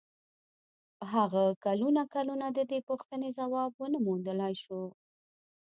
هغه کلونه کلونه د دې پوښتنې ځواب و نه موندلای شو.